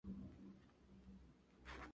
Se usa como queso de mesa.